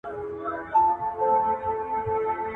ټولنیز واقیعت د خلکو د چلند په بدلون اغېز کوي.